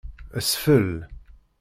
Sfel.